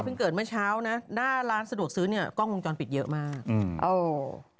ซึ่งเกิดเมื่อเช้านะหน้าร้านสะดวกซื้อเนี้ยกล้องวงจรปิดเยอะมากอืมเออ